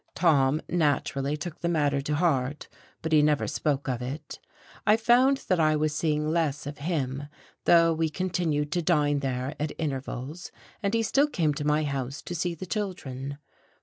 Tom naturally took the matter to heart, but he never spoke of it; I found that I was seeing less of him, though we continued to dine there at intervals, and he still came to my house to see the children.